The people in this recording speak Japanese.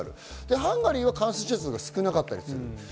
ハンガリーは感染者数が少なかったりする。